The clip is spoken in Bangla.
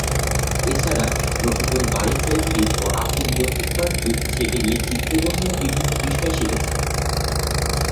এছাড়া রফিকুল বারী চৌধুরী ও আব্দুল লতিফ বাচ্চুর সেটে গিয়ে চিত্রগ্রহণের বিভিন্ন বিষয় শিখেছেন।